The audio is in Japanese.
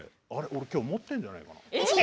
きょう持っているんじゃないかな。